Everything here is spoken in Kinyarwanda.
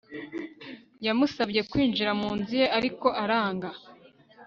Yamusabye kwinjira mu nzu ye ariko aranga